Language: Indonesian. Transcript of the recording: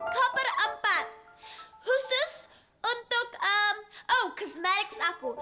koper empat khusus untuk eem oh cosmetics aku